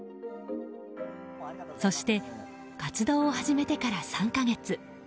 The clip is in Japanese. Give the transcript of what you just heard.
そして活動を始めてから３か月。